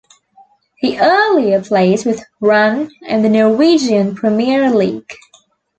He earlier played with Brann in the Norwegian Premier League.